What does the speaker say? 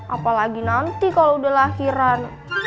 apalagi nanti kalau udah lahiran